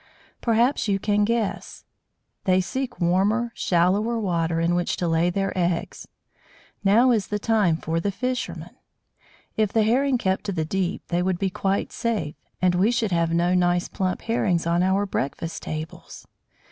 Perhaps you can guess they seek warmer, shallower water, in which to lay their eggs. Now is the time for the fisherman! If the Herring kept to the deep they would be quite safe and we should have no nice plump Herrings on our breakfast tables!